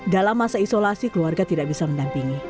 dalam masa isolasi keluarga tidak bisa mendampingi